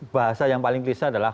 bahasa yang paling klisah adalah